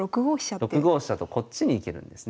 ６五飛車とこっちに行けるんですね。